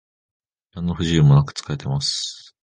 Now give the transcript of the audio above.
なんの不自由もなく使えてます